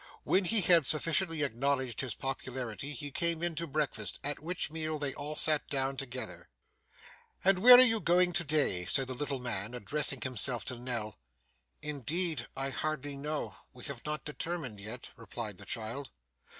When he had sufficiently acknowledged his popularity he came in to breakfast, at which meal they all sat down together. 'And where are you going to day?' said the little man, addressing himself to Nell. 'Indeed I hardly know we have not determined yet,' replied the child.